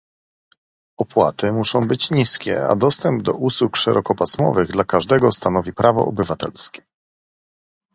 opłaty muszą być niskie, a dostęp do usług szerokopasmowych dla każdego stanowi prawo obywatelskie